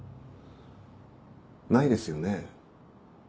ないですよね。